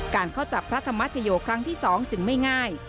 เข้าจับพระธรรมชโยครั้งที่๒จึงไม่ง่าย